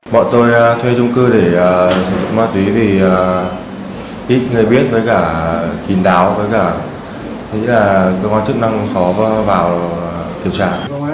bọn tôi thuê chung cư để sử dụng ma túy vì ít người biết với cả kín đáo với cả thế là cơ quan chức năng khó vào kiểm tra